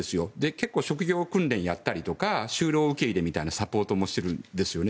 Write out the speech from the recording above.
結構、職業訓練をやったりとか就労受け入れみたいなサポートもしているんですね。